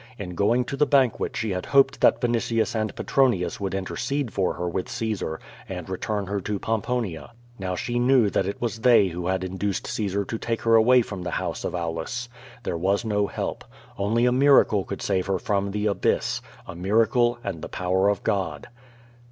In going to the banquet she had hoped that Vinitius and Petronius would intercede for her with Caesar, and return her to Pomponia. Now she knew that it was they who had in duced Caesar to take her away from the house of Aulus. There was no help. Only a miracle could save her from the abyss, a miracle and the power of God.